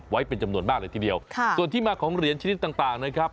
ไว้เป็นจำนวนบ้างเลยทีเดียวซงทิมาของเหรียญชนิดต่างนะครับ